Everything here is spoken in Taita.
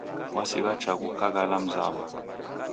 Wasigha chaghu kaghala mzawo